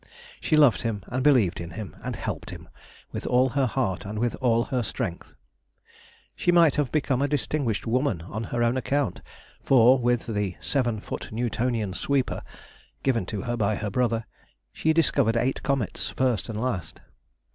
She loved him, and believed in him, and helped him, with all her heart and with all her strength. She might have become a distinguished woman on her own account, for with the "seven foot Newtonian sweeper" given to her by her brother, she discovered eight comets first and last.